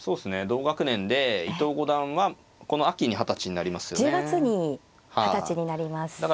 同学年で伊藤五段はこの秋に二十歳になりますよね。